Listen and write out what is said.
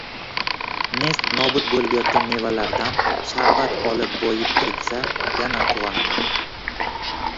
nest-nobud bo’lib yotgan mevalardan sharbat olib boyib ketsa, yana quvonaman.